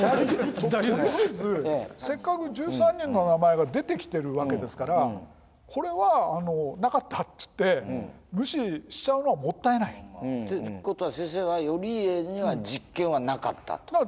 とりあえずせっかく１３人の名前が出てきてるわけですからこれは「なかった」っつって無視しちゃうのはもったいない。ということは先生は頼家には実権はなかったと。